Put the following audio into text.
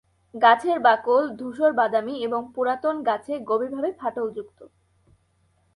গাছের বাকল ধূসর-বাদামি এবং পুরাতন গাছে গভীরভাবে ফাটলযুক্ত।